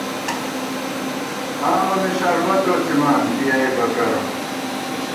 آمَنہ شربت کوڅِمان پِیَئیبہ کرہ